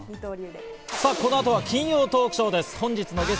この後は、金曜トークショーです。